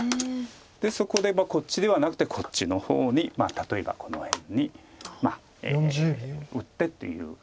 でそこでこっちではなくてこっちの方に例えばこの辺に打ってという。